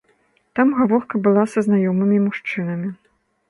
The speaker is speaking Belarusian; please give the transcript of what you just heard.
Там гаворка была са знаёмымі мужчынамі.